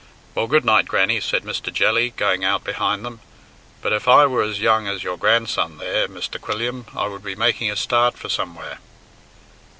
"Well, good night, Grannie," said Mr. Jelly, going out behind them. "But if I were as young as your grandson there, Mr. Quilliam, I would be making a start for somewhere."